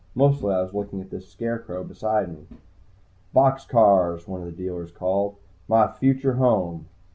Mostly I was looking at this scarecrow beside me. "Box cars!" one of the dealers called. "My future home."